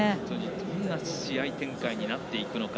どんな試合展開になっていくのか。